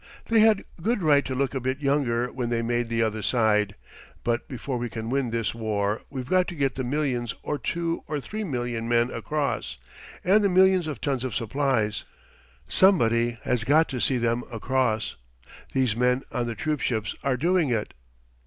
They had good right to look a bit younger when they made the other side. But before we can win this war we've got to get the million or two or three million men across; and the millions of tons of supplies. Somebody has got to see them across. These men on the troop ships are doing it.